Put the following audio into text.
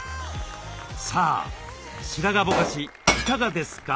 さあ白髪ぼかしいかがですか？